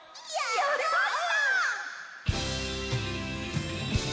やりました！